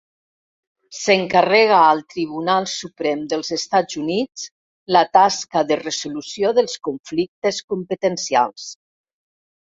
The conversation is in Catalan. S'encarrega al Tribunal Suprem dels Estats Units la tasca de resolució dels conflictes competencials.